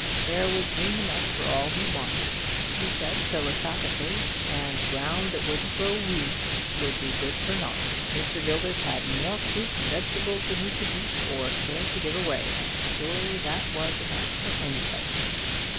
"There was room enough for all he wanted," he said philosophically; "and ground that wouldn't grow weeds would be good for naught. Mr. Gilbert had more fruit and vegetables than he could eat or cared to give away; and surely that was enough for anybody."